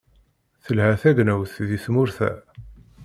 Telha tegnewt di tmurt-a.